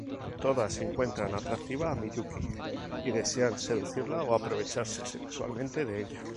Todas encuentran atractiva a Miyuki y desean seducirla o aprovecharse sexualmente de ella.